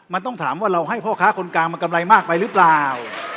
มันต้องถามว่าเราให้พ่อค้าคนกลางมากำไรมากไปหรือเปล่า